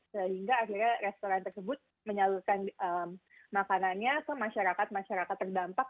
sehingga akhirnya restoran tersebut menyalurkan makanannya ke masyarakat masyarakat terdampak